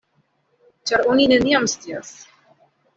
Ĉar oni neniam scias!